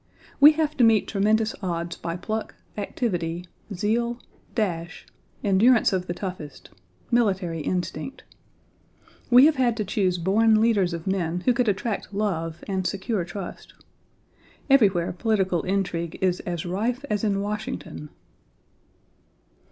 We have to meet tremendous odds by pluck, activity, zeal, dash, endurance of the toughest, military instinct. We have had to choose born leaders of men who could attract love and secure trust. Everywhere political intrigue is as rife as in Washington.